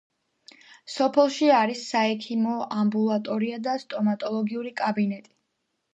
სოფელში არის საექიმო ამბულატორია და სტომატოლოგიური კაბინეტი.